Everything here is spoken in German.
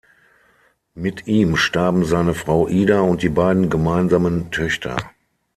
Mit ihm starben seine Frau Ida und die beiden gemeinsamen Töchter.